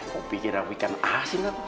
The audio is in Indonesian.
kok pikir aku ikan asin lah